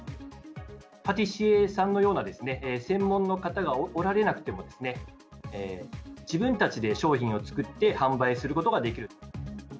パティシエさんのような専門の方がおられなくてもですね、自分たちで商品を作って販売することができる。